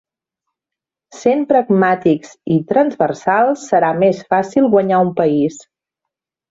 Sent pragmàtics i transversals serà més fàcil guanyar un país.